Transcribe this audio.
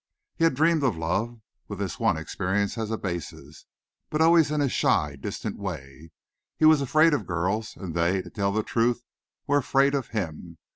He had dreamed of love, with this one experience as a basis, but always in a shy, distant way. He was afraid of girls, and they, to tell the truth, were afraid of him.